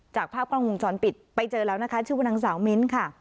จากภาพกล้องวงจรปิดไปเจอแล้วนะคะชื่อว่านางสาวมิ้นค่ะ